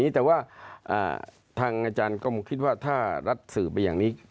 แต่ว่าทางอาจารย์ก็คิดว่าถ้ารัฐสื่อไปอย่างนี้